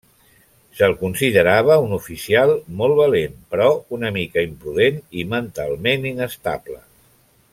Se'l considerava un oficial molt valent, però una mica imprudent i mentalment inestable.